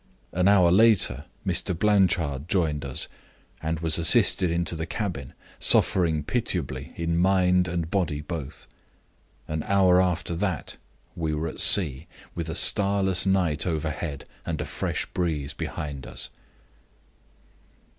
An hour later Mr. Blanchard joined us, and was assisted into the cabin, suffering pitiably in mind and body both. An hour after that we were at sea, with a starless night overhead, and a fresh breeze behind us.